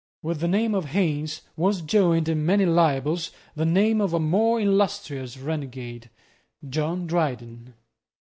With the name of Haines was joined, in many libels the name of a more illustrious renegade, John Dryden.